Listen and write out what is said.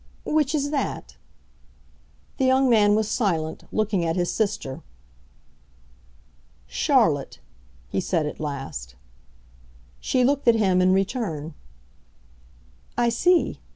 "Which is that?" The young man was silent, looking at his sister. "Charlotte," he said at last. She looked at him in return. "I see.